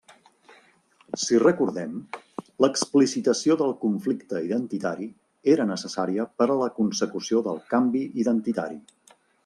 Si recordem, l'explicitació del conflicte identitari era necessària per a la consecució del canvi identitari.